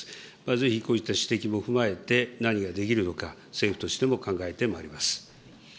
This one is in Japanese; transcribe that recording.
ぜひこういった指摘も踏まえて、何ができるのか、政府としても考えてまいります。